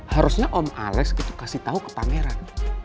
harusnya om alex itu kasih tau ke pangeran